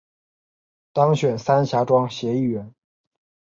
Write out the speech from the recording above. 当选三峡庄协议员